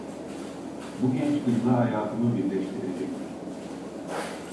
Bu genç kızla hayatımı birleştirecektim.